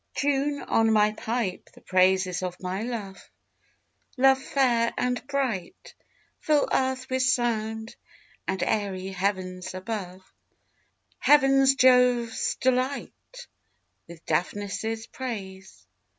Tune on my pipe the praises of my love, Love fair and bright; Fill earth with sound, and airy heavens above, Heavens Jove's delight, With Daphnis' praise.